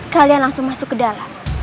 kalian langsung masuk ke dalam